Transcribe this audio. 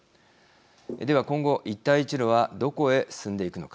では今後一帯一路はどこへ進んでいくのか。